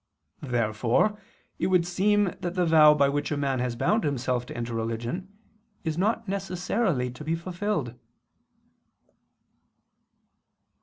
Therefore it would seem that the vow by which a man has bound himself to enter religion is not necessarily to be fulfilled.